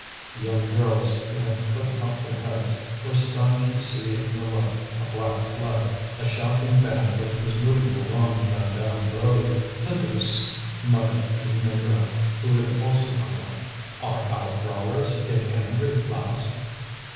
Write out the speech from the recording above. The young girls, who had put out their heads, were astonished to see on the left a black flood, a shouting band which was moving along the Vandame road. "The deuce!" muttered Négrel, who had also gone out. "Are our brawlers getting angry at last?"